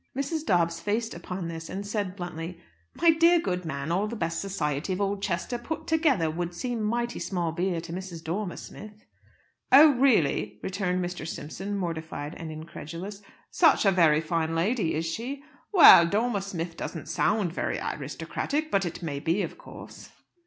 Mrs. Dobbs faced about upon this, and said bluntly, "My dear good man, all the best society of Oldchester put together would seem mighty small beer to Mrs. Dormer Smith." "Oh, really!" returned Mr. Simpson, mortified and incredulous. "Such a very fine lady, is she? Well, 'Dormer Smith' doesn't sound very aristocratic; but it may be, of course."